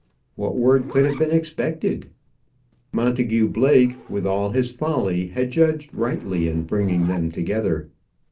What word could have been expected? Montagu Blake, with all his folly, had judged rightly in bringing them together.